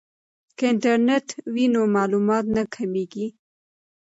که انټرنیټ وي نو معلومات نه کمیږي.